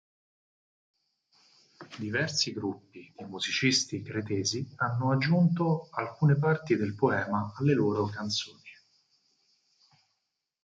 Diversi gruppi di musicisti cretesi hanno aggiunto alcune parti del poema alle loro canzoni.